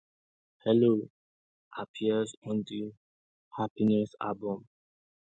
"Hello" appears on the "Happiness" album.